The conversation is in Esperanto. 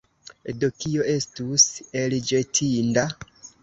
Do kio estus elĵetinda?